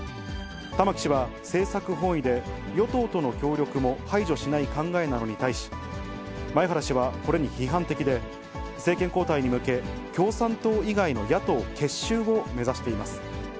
玉木氏は政策本位で、与党との協力も排除しない考えなのに対し、前原氏はこれに批判的で、政権交代に向け、共産党以外の野党結集を目指しています。